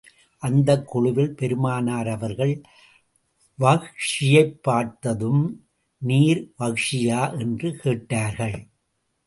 அந்தக் குழுவில், பெருமானார் அவர்கள், வஹ்ஷியைப் பார்த்ததும் நீர் வஹ்ஷியா? என்று கேட்டார்கள்.